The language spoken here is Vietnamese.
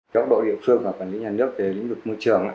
các đội địa phương và quản lý nhà nước về lĩnh vực môi trường